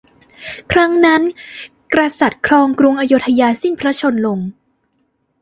ครั้งนั้นกษัตริย์ครองกรุงอโยธยาสิ้นพระชนม์ลง